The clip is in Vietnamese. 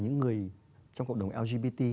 những người trong cộng đồng lgbt